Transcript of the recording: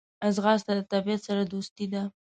ځغاسته د طبیعت سره دوستي ده